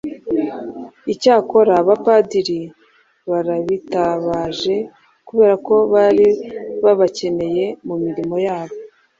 Icyakora Abapadiri barabitabaje kubera ko bari babakeneye mu mirimo yabo.